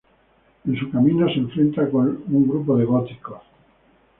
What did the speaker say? En su camino, se enfrenta con un grupo de góticos.